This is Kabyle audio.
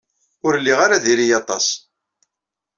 Ur lliɣ ara diri-iyi aṭas.